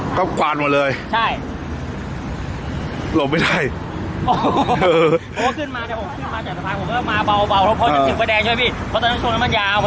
น่ะก็กวานหมดเลยใช่หลบไม่ได้โอ้โหขึ้นมาผมขึ้นมา